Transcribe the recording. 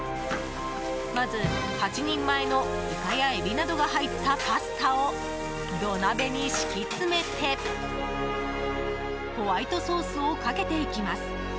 まず８人前のイカやエビなどが入ったパスタを土鍋に敷き詰めてホワイトソースをかけていきます。